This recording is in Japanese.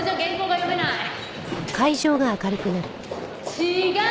「違う！